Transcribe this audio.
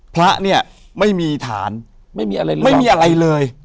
พระเนี่ยไม่มีฐานไม่มีอะไรเลย